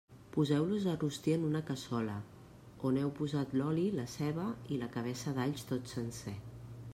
Poseu-los a rostir en una cassola, on heu posat l'oli, la ceba i la cabeça d'alls, tot sencer.